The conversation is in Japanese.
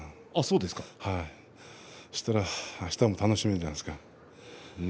今日はあしたも楽しみじゃないですか。